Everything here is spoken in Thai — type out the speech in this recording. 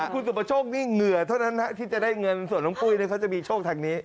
คุณสุประโชคยิ่งเหงื่อเท่านั้นที่จะได้เงินส่วนน้องปุ้ยเขาจะมีโชคทางนี้